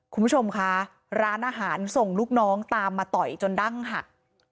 คุณผู้ชมคะร้านอาหารส่งลูกน้องตามมาต่อยจนดั้งหัก